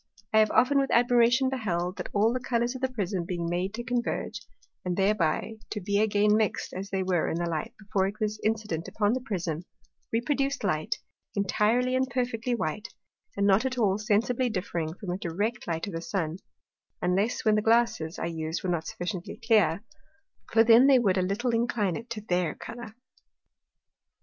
I have often with admiration beheld, that all the Colours of the Prism being made to converge, and thereby to be again mixed as they were in the light before it was incident upon the Prism, reproduced light, intirely and perfectly white, and not at all sensibly differing from a direct light of the Sun, unless when the Glasses, I used, were not sufficiently clear; for then they would a little incline it to their Colour.